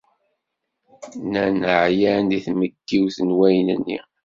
Nnan ɛyan deg tmeggiwt n wayen-nni.